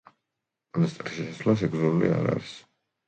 მონასტერში შესვლა შეზღუდული არ არის.